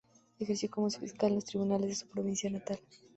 Ejerció como fiscal en los Tribunales de su provincia natal.